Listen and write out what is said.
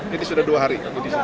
jadi sudah dua hari